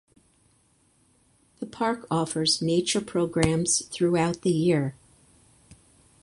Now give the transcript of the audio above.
The park offers nature programs throughout the year.